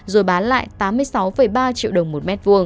rồi bán lại tám mươi sáu ba triệu đồng một m hai